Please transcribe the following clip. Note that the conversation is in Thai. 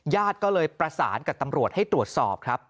ญาติก็เลยประสานกับตำรวจให้ตรวจสอบครับ